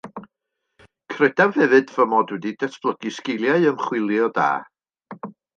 Credaf hefyd fy mod wedi datblygu sgiliau ymchwilio da.